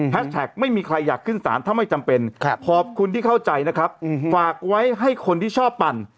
ไม่มีใครอยากขึ้นสารถ้าไม่จำเป็นขอบคุณที่เข้าใจนะครับฝากไว้ให้คนที่ชอบปั่น